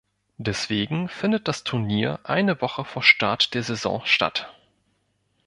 Deswegen findet das Turnier eine Woche vor Start der Saison statt.